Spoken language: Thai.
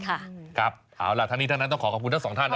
เอาล่ะทั้งนี้ทั้งนั้นต้องขอขอบคุณทั้งสองท่านนะ